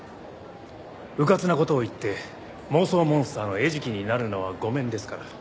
うかつな事を言って妄想モンスターの餌食になるのは御免ですから。